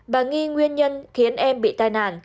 bà nghi nguyên nhân khiến em bị tai nạn